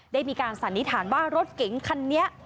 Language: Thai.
มีการสันนิษฐานว่ารถเก๋งคันนี้